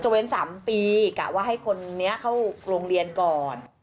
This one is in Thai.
เว้น๓ปีกะว่าให้คนนี้เข้าโรงเรียนก่อน